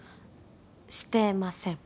してません